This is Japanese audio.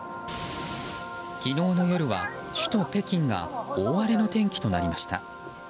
昨日の夜は首都・北京が大荒れの天気となりました。